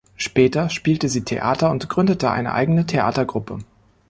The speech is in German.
Später spielte sie Theater und gründete eine eigene Theatergruppe.